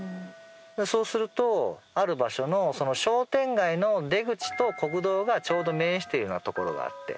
そうするとある場所の商店街の出口と国道がちょうど面してるような所があって。